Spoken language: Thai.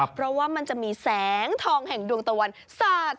เพราะว่ามันจะมีแสงทองแห่งดวงตะวันสาด